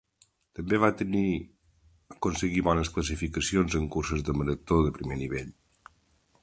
També va tenir aconseguir bones classificacions en curses de marató de primer nivell.